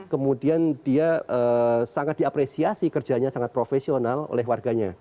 kemudian dia sangat diapresiasi kerjanya sangat profesional oleh warganya